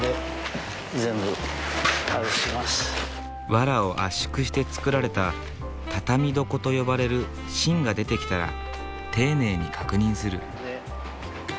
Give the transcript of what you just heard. わらを圧縮して作られた畳床と呼ばれる芯が出てきたら丁寧に確認する。